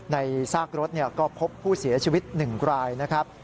ซากรถก็พบผู้เสียชีวิต๑รายนะครับ